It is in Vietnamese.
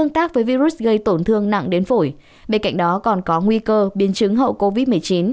tương tác với virus gây tổn thương nặng đến phổi bên cạnh đó còn có nguy cơ biến chứng hậu covid một mươi chín